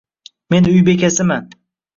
Men uy bekasiman.